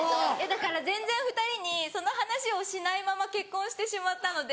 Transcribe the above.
だから全然２人にその話をしないまま結婚してしまったので。